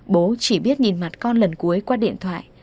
bố chỉ biết nhìn mặt con lần cuối qua điện thoại